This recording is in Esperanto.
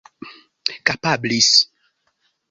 kapablis